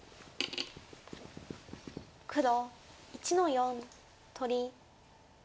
黒１の四取り。